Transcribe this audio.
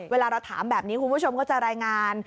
เวลาเราถามแบบนี้คุณผู้ชมก็จะรายงาน